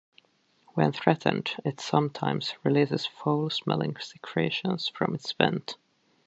When threatened, it sometimes releases foul smelling secretions from its vent.